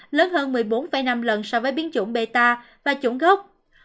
lớn hơn một mươi bốn năm lần so với biến chủng meta và chủng gốc